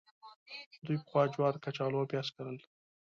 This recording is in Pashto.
دوی پخوا جوار، کچالو او پیاز کرل.